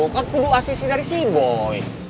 kan kudu asisi dari si boy